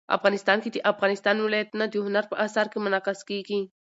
افغانستان کې د افغانستان ولايتونه د هنر په اثار کې منعکس کېږي.